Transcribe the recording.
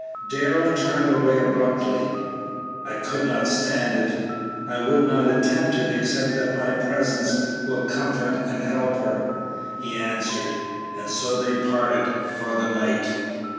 Darrell turned away abruptly. "I could not stand it; I would not attempt it, except that my presence will comfort and help her," he answered. And so they parted for the night.